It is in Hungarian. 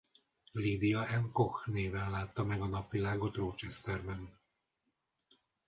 Lydia Anne Koch néven látta meg a napvilágot Rochesterben.